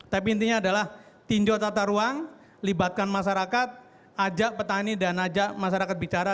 tapi intinya adalah tinjau tata ruang libatkan masyarakat ajak petani dan ajak masyarakat bicara